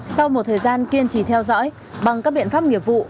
sau một thời gian kiên trì theo dõi bằng các biện pháp nghiệp vụ